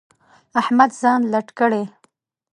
احمد ځان لټ کړی.